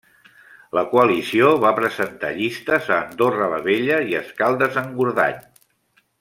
La coalició va presentar llistes a Andorra la Vella i a Escaldes-Engordany.